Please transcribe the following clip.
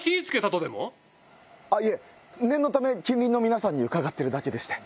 いえ念のため近隣の皆さんに伺ってるだけでして。